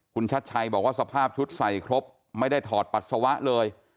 เพราะสภาพชุดใส่ครบไม่ได้ถอดปัสสาวะเลย